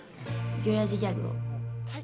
ギョやじギャグを。